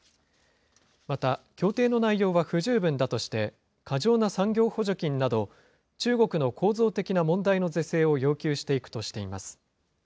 また、協定の内容は不十分だとして、過剰な産業補助金など、中国の構造的な問題の是正を要求していくとしています。